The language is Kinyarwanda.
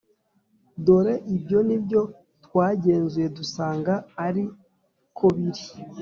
Dore ibyo ni byo twagenzuye dusanga ari kobiri,